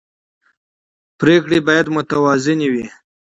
پرېکړې باید متوازنې وي